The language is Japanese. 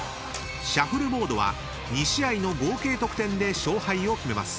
［シャフルボードは２試合の合計得点で勝敗を決めます］